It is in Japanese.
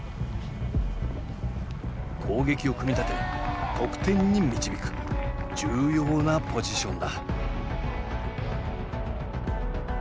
攻撃を組み立て得点に導く重要なポジションだ。